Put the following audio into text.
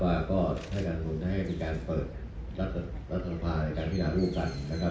ว่าก็ให้การหลุมให้เป็นการเปิดรัฐภาในการพินาภูมิกันนะครับ